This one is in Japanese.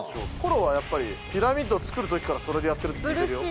コロはやっぱりピラミッドを作るときからそれでやってるって聞いてるよ。